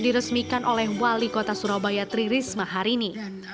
diresmikan oleh wali kota surabaya tri risma hari ini